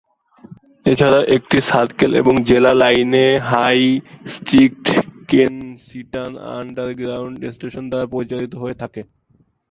এছাড়াও এটি সার্কেল এবং জেলা লাইনে High Street Kensington underground station দ্বারা পরিচালিত হয়ে থাকে।